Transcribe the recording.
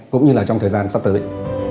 cũng như là trong thời gian sắp tới